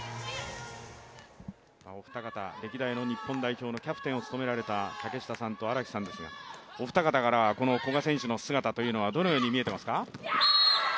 お二方、歴代の日本代表のキャプテンを務められた竹下さんと荒木さんですが、お二方からはこの古賀選手の姿というのはどのように見えてますか？